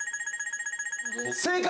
正解！